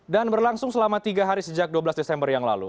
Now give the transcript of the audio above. dan berlangsung selama tiga hari sejak dua belas desember yang lalu